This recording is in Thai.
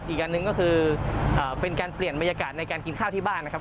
อีกอันหนึ่งก็คือเป็นการเปลี่ยนบรรยากาศในการกินข้าวที่บ้านนะครับ